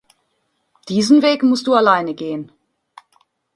Diesen Weg musst du alleine gehen.